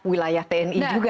wilayah tni juga